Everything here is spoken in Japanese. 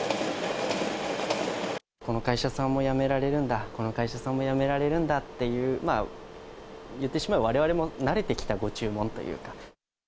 この会社さんもやめられるんだ、この会社さんもやめられるんだっていう、言ってしまえば、われわれも慣れてきたご注文というか。